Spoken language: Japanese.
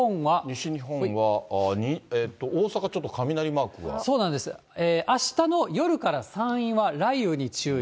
西日本は、大阪ちょっと、そうなんです、あしたの夜から山陰は雷雨に注意。